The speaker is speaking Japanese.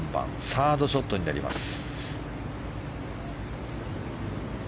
サードショットになります。